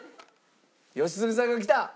良純さんがきた！